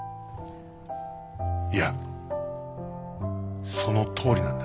いやそのとおりなんだ。